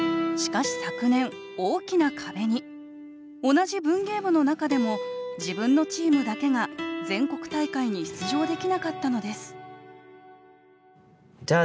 同じ文芸部の中でも自分のチームだけが全国大会に出場できなかったのですじゃあ